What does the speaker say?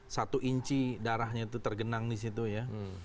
satu inci darahnya itu tergenang di situ ya